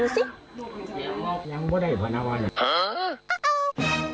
อืมไหนดูสิ